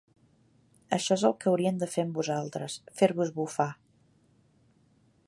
Això és el que haurien de fer amb vosaltres, fer-vos bufar!